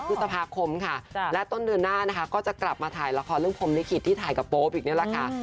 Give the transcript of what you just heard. พฤษภาคมค่ะและต้นเดือนหน้านะคะก็จะกลับมาถ่ายละครเรื่องพรมลิขิตที่ถ่ายกับโป๊ปอีกนี่แหละค่ะ